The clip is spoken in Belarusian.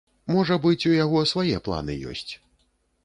Можа быць, у яго свае планы ёсць.